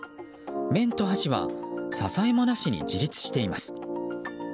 麺と箸は支えもなしに自立しています。